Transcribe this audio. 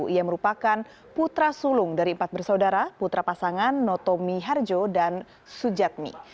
ia merupakan putra sulung dari empat bersaudara putra pasangan notomi harjo dan sujatmi